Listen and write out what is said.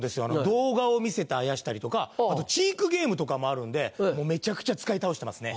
動画を見せてあやしたりとかあと知育ゲームとかもあるんでめちゃくちゃ使い倒してます。